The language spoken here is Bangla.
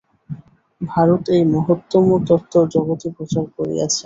ভারত এই মহত্তম তত্ত্ব জগতে প্রচার করিয়াছে।